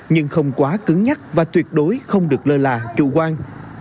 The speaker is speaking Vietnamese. nhưng không quá cứng nhắc và tuyệt đối không được lơ là chủ quan